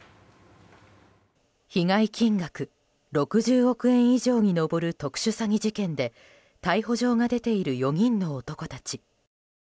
被害金額６０億円以上に上る特殊詐欺事件で逮捕状が出ている４人の男たち。